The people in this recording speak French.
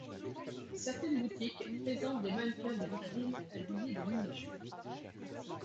Certaines boutiques présentent des mannequins de vitrine habillés de minijupes.